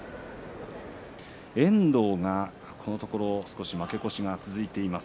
遠藤がこのところ少し負け越しが続いています。